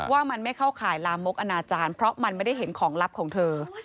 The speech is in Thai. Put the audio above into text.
ว่ามันไม่เข้าข่ายลามกอนาจารย์เพราะมันไม่ได้เห็นของลับของเธอ